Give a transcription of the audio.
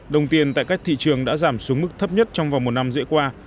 đồng tiền tại các thị trường đã giảm xuống mức thấp nhất trong vòng một năm dễ qua